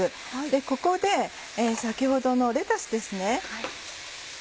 ここで先ほどのレタスですね。